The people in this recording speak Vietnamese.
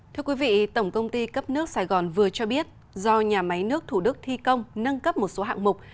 thưa quý vị tổng công ty cấp nước sài gòn vừa cho biết do nhà máy nước thủ đức thi công nâng cấp một số hạng mục